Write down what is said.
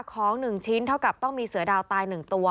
ของหนึ่งชิ้นเท่ากับต้องมีเสือดาวตายหนึ่งตัว